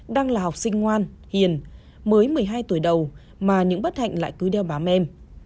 đang là học sinh ngoan hiền mới một mươi hai tuổi đầu mà những bất hạnh lại cứ đeo bám em